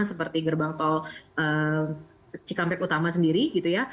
seperti gerbang tol cikampek utama sendiri gitu ya